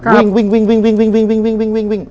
วิ่งวิ่งวิ่งวิ่งวิ่งวิ่งวิ่งวิ่ง